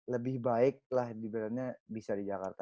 lebih baik lah lebih berani bisa di jakarta